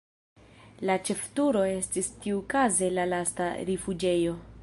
La ĉefturo estis tiukaze la lasta rifuĝejo.